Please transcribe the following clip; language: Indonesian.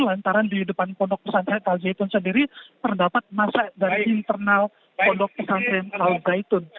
lantaran di depan pondok pesantren al zaitun sendiri terdapat masa dari internal pondok pesantren al zaitun